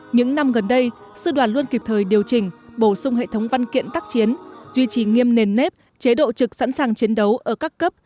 những năm gần đây sư đoàn luôn kịp thời điều chỉnh bổ sung hệ thống văn kiện tác chiến duy trì nghiêm nền nếp chế độ trực sẵn sàng chiến đấu ở các cấp